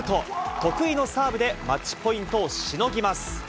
得意のサーブでマッチポイントをしのぎます。